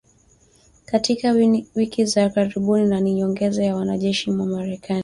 katika wiki za karibuni na ni nyongeza ya wanajeshi wa Marekani